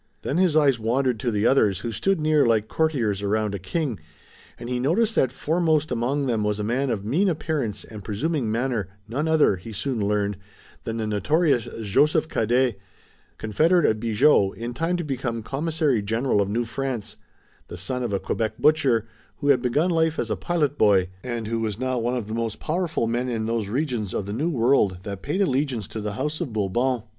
Then his eyes wandered to the others who stood near like courtiers around a king, and he noticed that foremost among them was a man of mean appearance and presuming manner, none other, he soon learned, than the notorious Joseph Cadet, confederate of Bigot, in time to become Commissary General of New France, the son of a Quebec butcher, who had begun life as a pilot boy, and who was now one of the most powerful men in those regions of the New World that paid allegiance to the House of Bourbon.